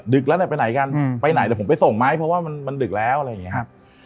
แล้วเนี่ยไปไหนกันไปไหนเดี๋ยวผมไปส่งไหมเพราะว่ามันดึกแล้วอะไรอย่างนี้ครับ